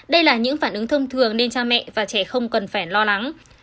đây là những phản ứng thông thường nên cha mẹ và trẻ không cần phải lo lắng